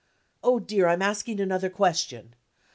Oh, dear, I'm asking another question!